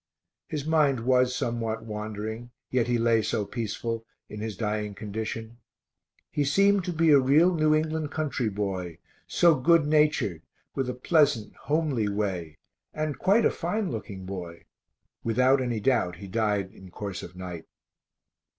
His mind was somewhat wandering, yet he lay so peaceful, in his dying condition. He seemed to be a real New England country boy, so good natured, with a pleasant homely way, and quite a fine looking boy. Without any doubt he died in course of night.